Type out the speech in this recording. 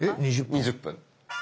２０分。